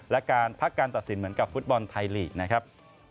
และการพักการตัดสินเหมือนกับฟุตบอลไทยลีกนะครับ